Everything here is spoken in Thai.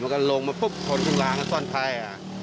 มันก็ลงมาปุ๊บขนข้างหลังซ่อนไพ่อ่ะ